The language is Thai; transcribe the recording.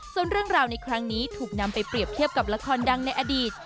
ส่วนเรื่องราวในครั้งนี้ถูกนำไปเปรียบเทียบกับละครดังในอดีต